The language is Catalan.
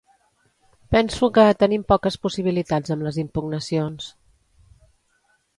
Penso que tenim poques possibilitats amb les impugnacions.